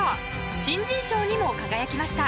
新人賞にも輝きました。